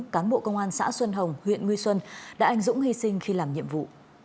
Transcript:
cán bộ công an xã xuân hồng huyện nguy xuân đã anh dũng hy sinh khi làm nhiệm vụ